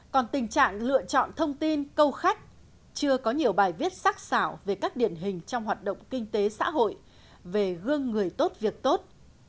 còn tình trạng lựa chọn thông tin câu khách chưa có nhiều bài viết sắc xảo về các điển hình trong hoạt động kinh tế xã hội về gương người tốt việc tốt